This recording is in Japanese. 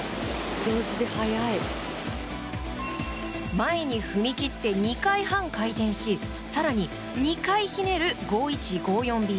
前に踏み切って２回半回転し更に２回ひねる、５１５４Ｂ。